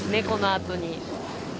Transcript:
このあとに。